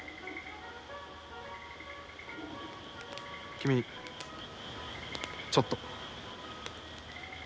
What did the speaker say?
君ちょっと。